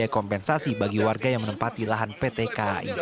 kompensasi bagi warga yang menempati lahan pt kai